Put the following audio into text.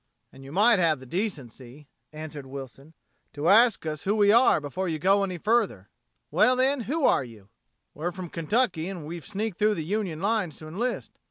"And you might have the decency," answered Wilson, "to ask us who we are before you go any further." "Well, then, who are you?" "We're from Kentucky and we've sneaked through the Union lines to enlist.